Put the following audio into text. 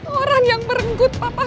orang yang merenggut papa